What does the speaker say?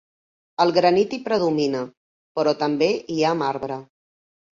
El granit hi predomina, però també hi ha marbre.